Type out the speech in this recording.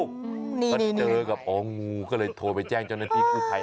แล้วเจอกับปล่อยงูก็เลยโทรไปแจ้งเจ้านักที่งูไทย